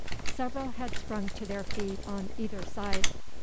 Several had sprung to their feet on either side.